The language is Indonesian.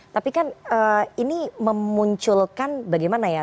tapi kan ini memunculkan bagaimana ya